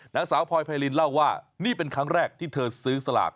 นางสาวพลอยไพรินเล่าว่านี่เป็นครั้งแรกที่เธอซื้อสลาก